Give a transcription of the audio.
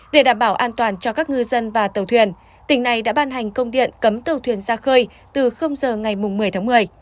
để đảm bảo an toàn cho các ngư dân và tàu thuyền tỉnh này đã ban hành công điện cấm tàu thuyền ra khơi từ giờ ngày một mươi tháng một mươi